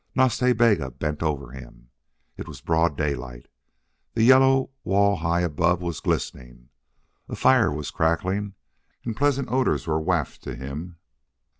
Nas Ta Bega bent over him. It was broad daylight. The yellow wall high above was glistening. A fire was crackling and pleasant odors were wafted to him.